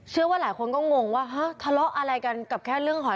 ว่าหลายคนก็งงว่าฮะทะเลาะอะไรกันกับแค่เรื่องหอย